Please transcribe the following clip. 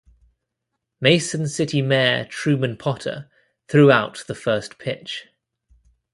Mason City Mayor Truman Potter threw out the first pitch.